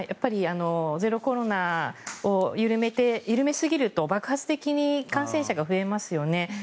ゼロコロナを緩めて緩めすぎると爆発的に感染者が増えますよね。